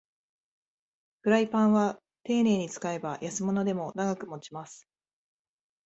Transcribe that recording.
フライパンはていねいに使えば安物でも長く持ちます